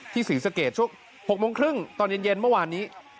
ศรีสะเกดช่วง๖โมงครึ่งตอนเย็นเมื่อวานนี้